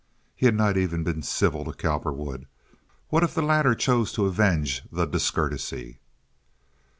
He had not even been civil to Cowperwood. What if the latter chose to avenge the discourtesy?